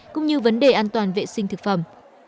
cũng như vấn đề an toàn vệ sinh thực phẩm